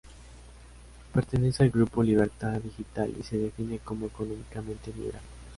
Pertenece al Grupo Libertad Digital y se define como económicamente liberal.